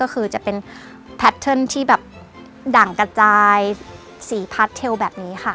ก็คือจะเป็นแพทเทิร์นที่แบบดั่งกระจายสีพาร์ทเทลแบบนี้ค่ะ